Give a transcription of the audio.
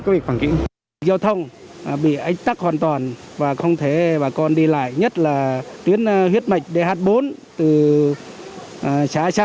việc lưu thông vẫn bị gián đoạn